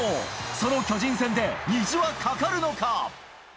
その巨人戦で、虹はかかるのか。